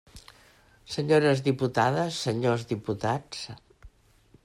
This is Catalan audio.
Senyores diputades, senyors diputats.